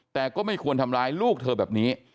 แต่ก็ไม่ควรทำร้ายลูกเธอแบบนี้